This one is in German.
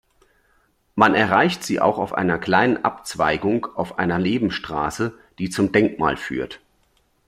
Man erreicht sie auf einer kleinen Abzweigung auf einer Nebenstraße, die zum Denkmal führt.